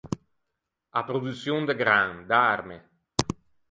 A produçion de gran, de arme.